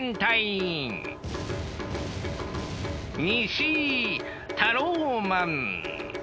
西タローマン。